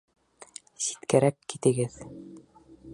Ситкәрәк китегеҙ!